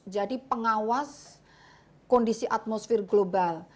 jadi pengawas kondisi atmosfer global